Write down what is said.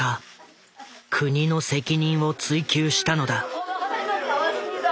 国の責任を追及したのだ。